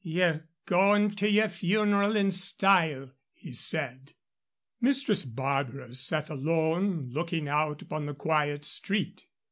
"Ye're going to your funeral in style," he said. Mistress Barbara sat alone, looking out upon the quiet street.